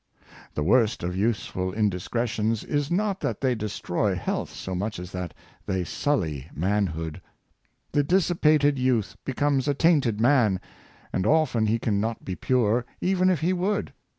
The worst of youthful indiscre tions is not that they destroy health, so much as that they sully manhood. The dissipated youth becomes a tainted man; and often he can not be pure, even if he would.